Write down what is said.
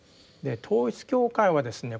統一教会はですね